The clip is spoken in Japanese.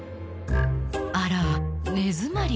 「あら根詰まり？